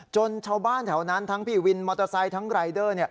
ชาวบ้านแถวนั้นทั้งพี่วินมอเตอร์ไซค์ทั้งรายเดอร์